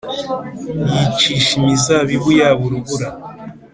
Yicisha imizabibu yabo urubura